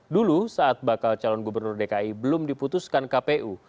dulu saat bakal calon gubernur dki belum diputuskan kpu